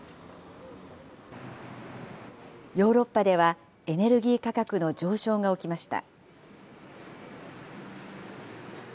ヨーロッパでは、エネルギー価格の上昇が起きました。